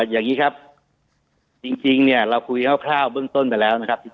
อย่างนี้ครับจริงเนี่ยเราคุยคร่าวเบื้องต้นไปแล้วนะครับ